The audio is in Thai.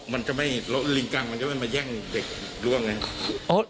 แล้วลิงกังมันจะไม่มาย่งเด็กร่วงไงครับ